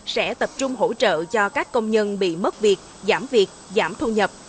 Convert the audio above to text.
sẽ tập trung hỗ trợ cho các công nhân bị mất việc giảm việc giảm thu nhập